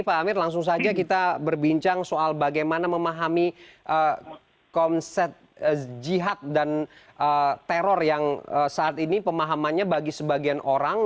pak amir langsung saja kita berbincang soal bagaimana memahami konsep jihad dan teror yang saat ini pemahamannya bagi sebagian orang